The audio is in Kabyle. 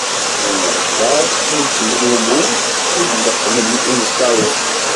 Ur nheddeṛ, ur nettemlummu, ur d-qqmen imeṭṭawen.